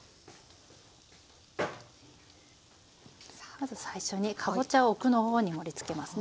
まず最初にかぼちゃを奥の方に盛りつけますね。